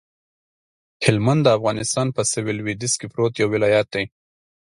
هلمند د افغانستان په سویل لویدیځ کې پروت یو ولایت دی